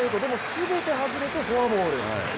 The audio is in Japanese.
全て外れてフォアボール。